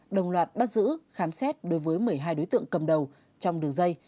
đồng loạt bắt giữ khám xét đối với một mươi hai đối tượng cầm đầu trong đường dây